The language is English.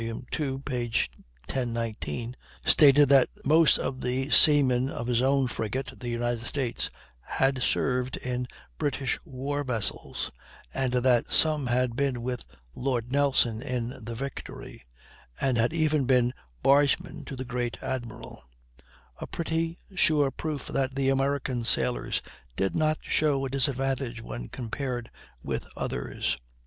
1019), stated that most of the seamen of his own frigate, the United States, had served in British war vessels, and that some had been with Lord Nelson in the Victory, and had even been bargemen to the great Admiral, a pretty sure proof that the American sailors did not show a disadvantage when compared with others.